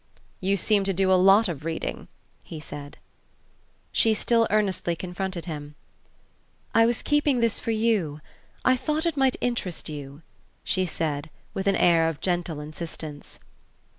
"You seem to do a lot of reading," he said. She still earnestly confronted him. "I was keeping this for you I thought it might interest you," she said, with an air of gentle insistence.